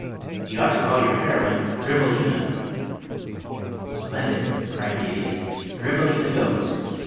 You ought to call your heroine Drivelina." "Splendid," cried the Idiot. "Drivelina goes.